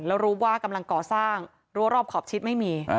แล้วรู้ว่ากำลังก่อสร้างรั้วรอบขอบชิดไม่มี